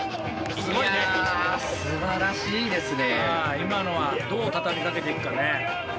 今のはどう畳みかけていくかね。